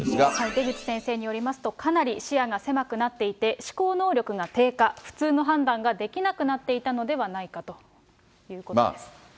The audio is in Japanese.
出口先生によりますと、かなり視野が狭くなっていて、思考能力が低下、普通の判断ができなくなっていたのではないかということです。